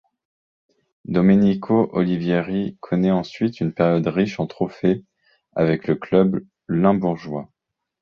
Domenico Olivieri connaît ensuite une période riche en trophées avec le club limbourgeois.